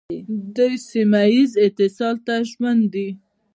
دوی سیمه ییز اتصال ته ژمن دي.